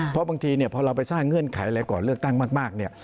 เพราะบางทีเนี่ยพอเราไปสร้างเงื่อนไขอะไรก่อนเลือกตั้งมากเนี่ย